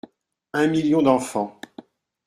Un million d’enfants.